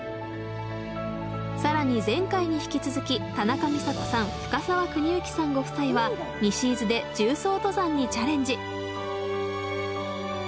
更に前回に引き続き田中美佐子さん深沢邦之さんご夫妻は西伊豆で縦走登山にチャレンジ！